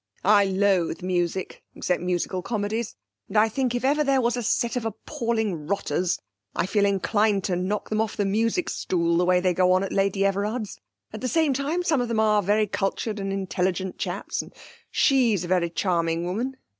I loathe music (except musical comedies), and I think if ever there was a set of appalling rotters I feel inclined to knock them off the music stool the way they go on at Lady Everard's at the same time, some of them are very cultured and intelligent chaps, and she's a very charming woman.